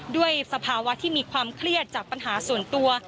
สภาวะที่มีความเครียดจากปัญหาส่วนตัว